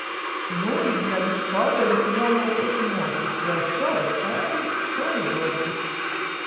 Nūīdļam iz Padoli pi jaunuokuos muosys – jai sova saime, sovi dorbi.